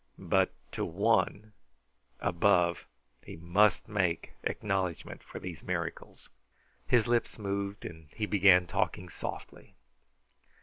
But to One, above, he must make acknowledgment for these miracles. His lips moved and he began talking softly.